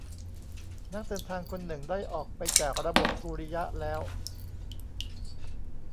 นักเดินทางคนหนึ่งได้ออกไปจากระบบสุริยะแล้ว